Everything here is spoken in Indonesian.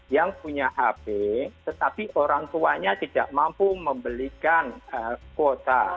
yang punya hp tetapi orang tuanya tidak mampu membelikan kuota